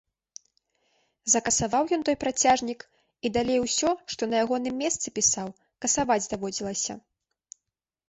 Закасаваў ён той працяжнік і далей усё, што на ягоным месцы пісаў, касаваць даводзілася.